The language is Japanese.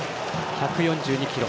１４２キロ。